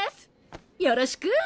よろしく！